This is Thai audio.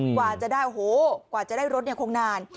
กว่าจะได้โอ้โหกว่าจะได้รถเนี่ยคงนาน